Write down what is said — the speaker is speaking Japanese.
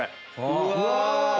うわ！